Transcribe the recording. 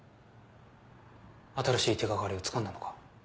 新しい手掛かりをつかんだのか？